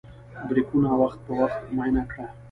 بریکونه وخت په وخت معاینه کړه.